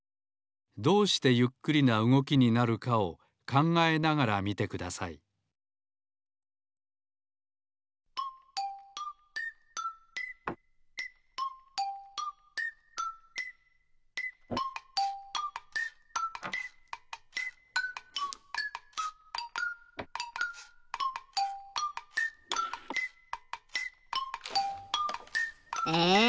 どうしてゆっくりなうごきになるかを考えながら見てくださいえ